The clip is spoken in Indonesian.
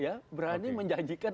ya berani menjanjikan